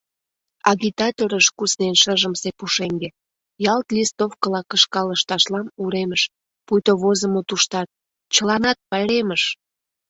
Агитаторыш куснен шыжымсе пушеҥге: ялт листовкыла кышка лышташлам уремыш, пуйто возымо туштат: «Чыланат пайремыш!»